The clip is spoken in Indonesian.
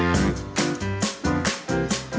ini memang sangat berharga